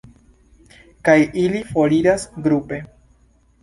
Kaj ili foriras grupe.